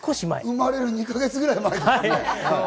生まれる２か月ぐらい前ですね。